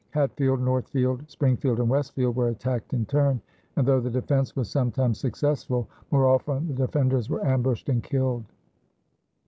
Hatfield, Northfield, Springfield, and Westfield were attacked in turn, and though the defense was sometimes successful, more often the defenders were ambushed and killed.